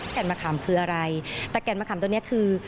แก่นมะขามคืออะไรแต่แก่นมะขามตัวนี้คือ